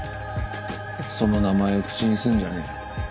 その名前を口にすんじゃねえ。